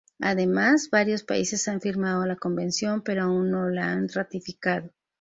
Además, varios países han firmado la Convención pero aún no la han ratificado.